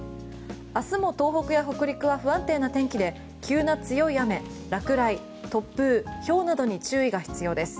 明日も東北や北陸は不安定な天気で急な強い雨、落雷、突風ひょうなどに注意が必要です。